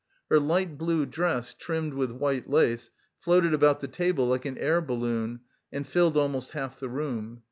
Her light blue dress trimmed with white lace floated about the table like an air balloon and filled almost half the room.